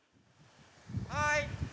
はい。